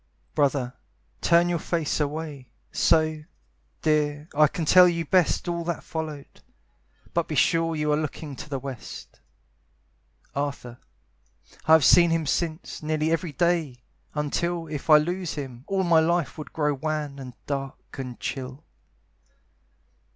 Brother, turn your face away, So, dear, I can tell you best All that followed; but be sure You are looking to the west. Arthur, I have seen him since, Nearly every day, until If I lose him, all my life Would grow wan, and dark, and chill.